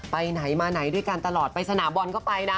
ไปไหนมาไหนด้วยกันตลอดไปสนามบอลก็ไปนะ